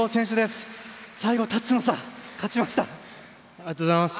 ありがとうございます。